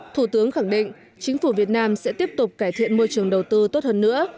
thủ tướng khẳng định chính phủ việt nam sẽ tiếp tục cải thiện môi trường đầu tư tốt hơn nữa